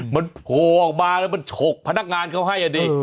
มันโผล่ออกมาแล้วมันฉกพนักงานเขาให้อ่ะดี